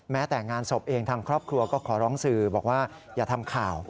แต่งานศพเองทางครอบครัวก็ขอร้องสื่อบอกว่าอย่าทำข่าว